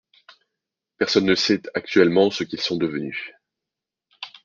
Personne ne sait actuellement ce qu'ils sont devenus.